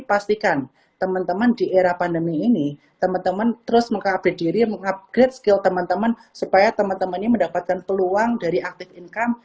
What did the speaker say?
pastikan teman teman di era pandemi ini teman teman terus mengupdate diri mengupgrade skill teman teman supaya teman teman ini mendapatkan peluang dari active income